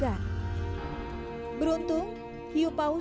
bahkan ya g direncan ridiculous